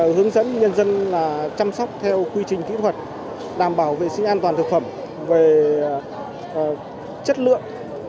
hướng dẫn nhân dân chăm sóc theo quy trình kỹ thuật đảm bảo vệ sinh an toàn thực phẩm về chất lượng